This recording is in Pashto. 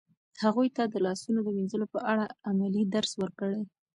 هغوی ته د لاسونو د مینځلو په اړه عملي درس ورکړئ.